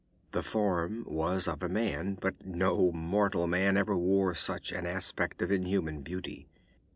The form was of a man, but no mortal man ever wore such an aspect of inhuman beauty.